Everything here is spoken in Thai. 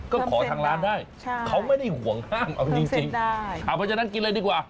ก็ขอทางร้านได้เขาไม่ได้ห่วงห้ามเอาจริงเพราะฉะนั้นกินเลยดีกว่า